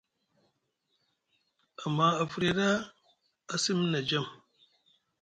Amma a firya ɗa a simni na jam.